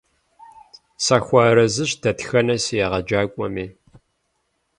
Сахуэарэзыщ дэтхэнэ си егъэджакӀуэми.